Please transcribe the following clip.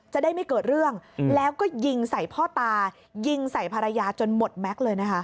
จะได้ไม่เกิดเรื่องแล้วก็ยิงใส่พ่อตายิงใส่ภรรยาจนหมดแม็กซ์เลยนะคะ